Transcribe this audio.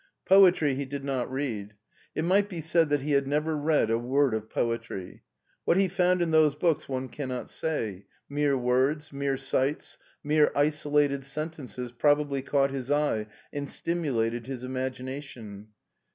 Poetry he did not read. It might be said that he had never read a word of poetry. What he found in those books one cannot say : mere words, mere sights, mere isolated sentences probably caught his eye and stimulated his imagination.